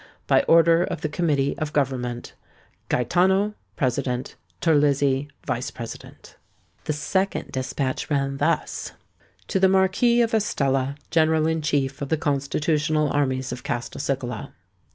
"By order of the Committee of Government— "GAETANO, President. TERLIZZI, Vice President." The second despatch ran thus:— "TO THE MARQUIS OF ESTELLA, GENERAL IN CHIEF OF THE CONSTITUTIONAL ARMIES OF CASTELCICALA.